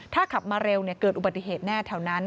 ถ้าขับมาเร็วเกิดอุบัติเหตุแน่แถวนั้น